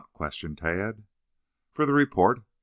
questioned Tad. "For the report.